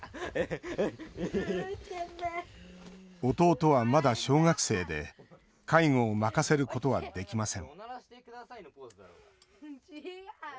弟は、まだ小学生で介護を任せることはできません。